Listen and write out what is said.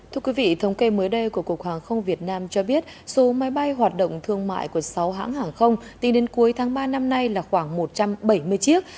thưa quý vị thống kê mới đây của cục hàng không việt nam cho biết số máy bay hoạt động thương mại của sáu hãng hàng không tính đến cuối tháng ba năm nay là khoảng một trăm bảy mươi chiếc